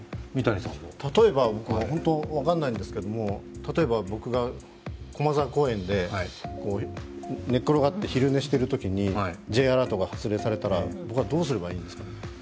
例えば僕、分からないんですが、例えば、僕が駒沢公園で寝っ転がって昼寝しているときにＪアラートが発令されたら、僕はどうすればいいんですか？